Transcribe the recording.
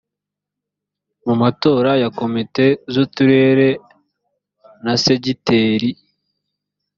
mu matora ya komite z uturere na segiteri